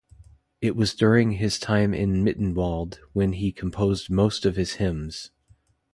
It was during his time in Mittenwalde when he composed most of his hymns.